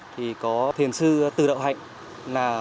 thì có thiền sư từ đạo hạnh